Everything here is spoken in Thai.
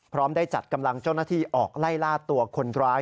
พร้อมได้จัดกำลังเจ้าหน้าที่ออกไล่ล่าตัวคนร้าย